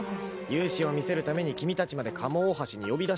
勇姿を見せるために君たちまで賀茂大橋に呼び出した。